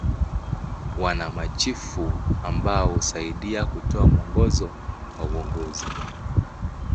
Wana machifu ambao husaidia kutoa mwongozo na uongozi.